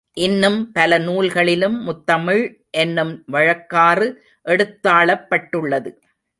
இன்னும் பல நூல்களிலும் முத்தமிழ் என்னும் வழக்காறு எடுத்தாளப்பட்டுள்ளது.